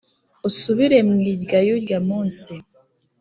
usubire mu irya y'urya munsi